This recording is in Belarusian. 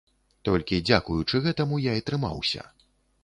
Толькі дзякуючы гэтаму я і трымаўся.